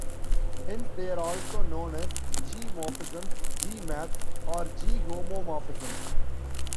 Hence they are also known as G"-morphisms, G"-maps, or "G"-homomorphisms.